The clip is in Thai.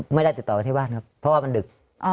ไม่ได้ติดต่อไปที่บ้านครับเพราะว่ามันดึก